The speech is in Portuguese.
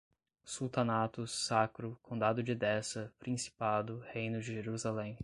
sultanatos, sacro, condado de Edessa, Principado, Reino de Jerusalém